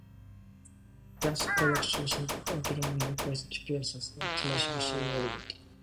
A classical electron orbiting a nucleus experiences acceleration and should radiate.